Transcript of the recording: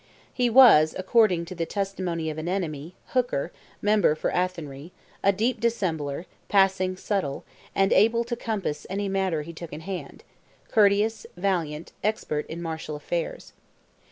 He was, according to the testimony of an enemy, Hooker, member for Athenry, "a deep dissembler, passing subtile, and able to compass any matter he took in hand; courteous, valiant, expert in martial affairs."